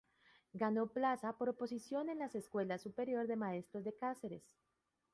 Ganó plaza por oposición en la Escuela Superior de Maestros de Cáceres.